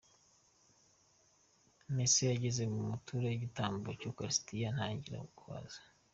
Misa yageze mu gutura igitambo cy’Ukaristiya, ntangira guhaza.